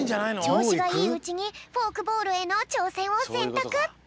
ちょうしがいいうちにフォークボールへのちょうせんをせんたく。